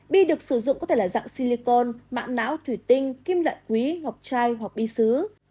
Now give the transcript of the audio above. bi được sử dụng có thể là dạng silicon mãn não thủy tinh kim loại quý ngọc chai hoặc bi xứ